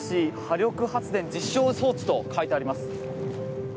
釜石波力発電実証装置と書いてあります。